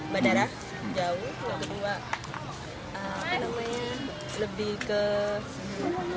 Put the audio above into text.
yang di indonesia